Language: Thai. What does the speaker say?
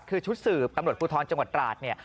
คือชุดสืบตำรวจภูทรจังหวัดตราดเนี่ย